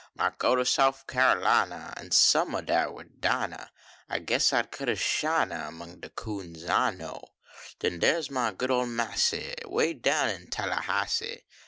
Might go to .Soul" Kyarlina, An stuninah dar wid Dinah, 1 guess I d cut a shine Among de coons I know. Den dars my good ol massa Way down in Tallahassie.